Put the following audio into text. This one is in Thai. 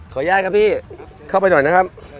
อนุญาตครับพี่เข้าไปหน่อยนะครับ